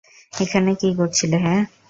এখানে কী করছিলে, হ্যাঁ?